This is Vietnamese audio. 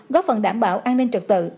góp phần đảm bảo an ninh trật tự